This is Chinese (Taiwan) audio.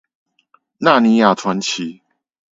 納尼亞傳奇